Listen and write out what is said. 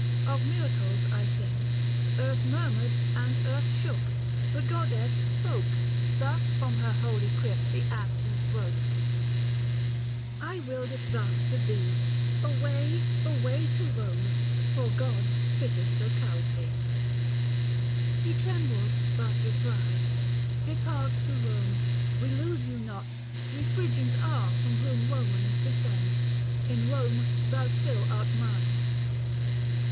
Of miracles I sing : Earth murmured and earth shook ; the goddess spoke ; Thus from her holy crypt the accents broke ; 305 ' I willed it thus to be, away, away To Eome, for gods fittest locality.' 112 THE FASTI. Book IV He trembled but replied :' Depart to Borne We lose you not, we Phrygians are, from whom Eomans descend ; in Kome thou still art mine.'